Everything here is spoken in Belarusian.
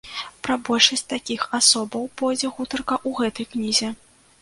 Пра большасць такіх асобаў пойдзе гутарка ў гэтай кнізе.